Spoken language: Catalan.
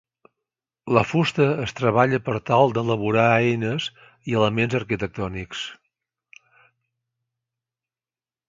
La fusta es treballa per tal d'elaborar eines i elements arquitectònics.